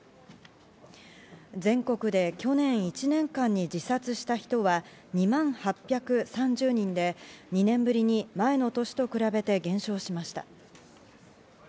全国で去年１年間に自殺した人は２万８３０人で、２年ぶりに前の年と比べて減少しました。